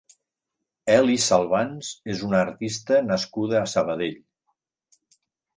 Eli Salvans és una artista nascuda a Sabadell.